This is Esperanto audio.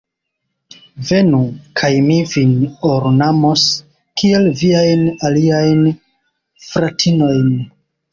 Venu, kaj mi vin ornamos kiel viajn aliajn fratinojn!